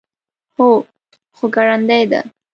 هو، خو ګړندۍ ده